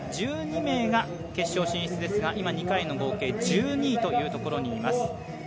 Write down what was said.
１２名が決勝進出ですが今２回の合計１２位というところにいます。